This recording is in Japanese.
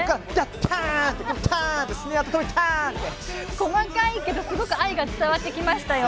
細かいけれども愛が伝わってきました。